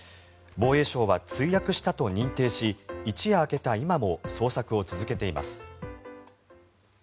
防衛省は墜落したと認定し一夜明けた今も捜索を続けています。